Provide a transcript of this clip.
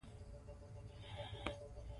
زه د دوهم ټولګی نګران يم